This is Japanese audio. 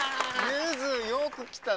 ゆづよく来たね。